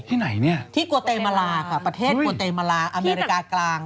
ที่ไหนนี้ที่กวาเตเมลาประเทศกวาเตเมลาอเมริกากลาง